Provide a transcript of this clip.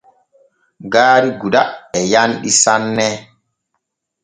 Gaari Gouda e yanɗi sanne.